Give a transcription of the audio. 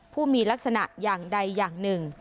ผู้มีลักษณะอย่างใดอย่างหนึ่ง